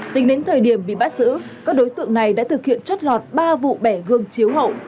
tính đến thời điểm bị bắt giữ các đối tượng này đã thực hiện chất lọt ba vụ bẻ gương chiếu hậu